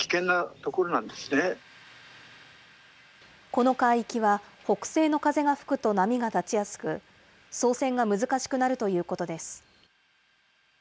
この海域は、北西の風が吹くと波が立ちやすく、操船が難しくなるということです。